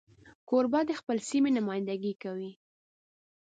کوربه د خپلې سیمې نمایندګي کوي.